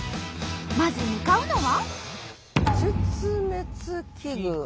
まず向かうのは。